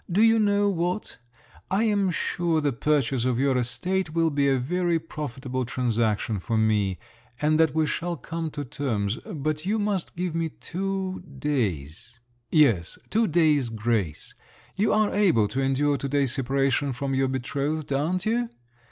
"Do you know what: I am sure the purchase of your estate will be a very profitable transaction for me, and that we shall come to terms; but you must give me two days…. Yes, two days' grace. You are able to endure two days' separation from your betrothed, aren't you?